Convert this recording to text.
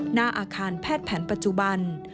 หน้าอาคารแพทย์แผนปัจจุบัน